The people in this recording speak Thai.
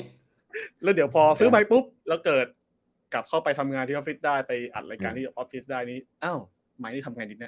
แล้วเดี๋ยวพอซื้อไปปุ๊บแล้วเกิดกลับเข้าไปทำงานที่ออฟฟิศได้ไปอัดรายการที่ออฟฟิศได้นี่อ้าวไม้นี่ทำไงนิดเนี่ย